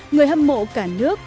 người hâm mộ cả nước